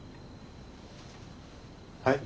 はい？